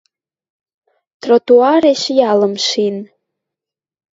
Тротуареш ялым шин.